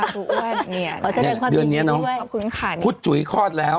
ครูอุวันเนี่ยขอแสดงความดีดีด้วยขอบคุณค่ะพุธจุยคลอดแล้ว